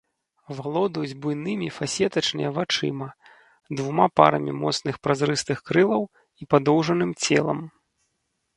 Валодаюць буйнымі фасетачныя вачыма, двума парамі моцных празрыстых крылаў і падоўжаным целам.